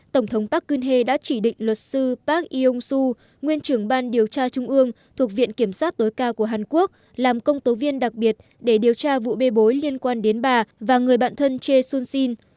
tổng thống park geun hye đã chỉ định luật sư park yong soo nguyên trưởng ban điều tra trung ương thuộc viện kiểm sát tối cao của hàn quốc làm công tố viên đặc biệt để điều tra vụ bê bối liên quan đến bà và người bạn thân choi soon sin